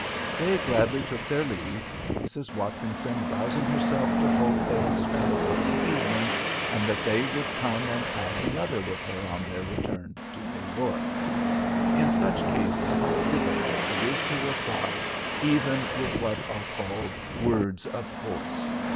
They gladly took their leave; Mrs. Watkinson rousing herself to hope they had spent a pleasant evening, and that they would come and pass another with her on their return to New York. In such cases how difficult it is to reply even with what are called "words of course."